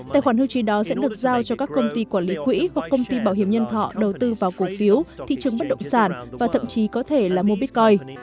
tài khoản hưu trí đó sẽ được giao cho các công ty quản lý quỹ hoặc công ty bảo hiểm nhân thọ đầu tư vào cổ phiếu thị trường bất động sản và thậm chí có thể là mua bitcoin